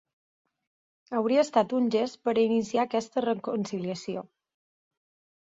Hauria estat un gest per a iniciar aquesta reconciliació.